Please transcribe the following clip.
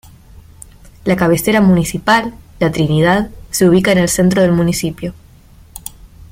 La cabecera municipal, La Trinidad, se ubica en el centro del municipio.